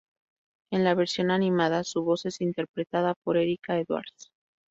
En la versión animada su voz es interpretada por Erica Edwards.